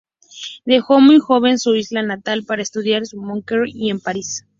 Dejó muy joven su isla natal para estudiar en Montpellier y en París.